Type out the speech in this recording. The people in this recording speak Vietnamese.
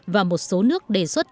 và một số nước đề xuất